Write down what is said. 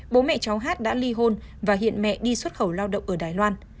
bố mẹ cháu hát đã ly hôn và hiện mẹ đi xuất khẩu lao động ở đài loan